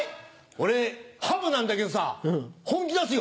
俺ハブなんだけどさ本気出すよ。